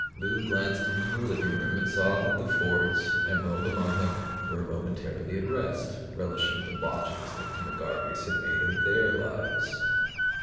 Lou glanced into the living room and saw that the Fords, Emerald among them, were momentarily at rest, relishing the botches that the McGarveys had made of their lives.